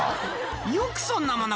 よくそんなもの